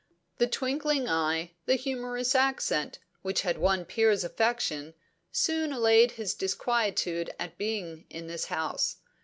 The twinkling eye, the humorous accent, which had won Piers' affection, soon allayed his disquietude at being in this house.